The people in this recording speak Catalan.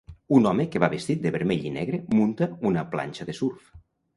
Un home que va vestit de vermell i negre munta una planxa de surf.